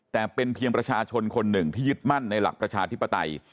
แต่เป็นเพียงประชาชนคนหนึ่งที่ยึดมั่นในหลักประชาธิปไตย